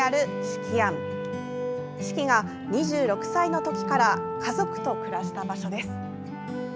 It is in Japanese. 子規が２６歳のときから家族と暮らした場所です。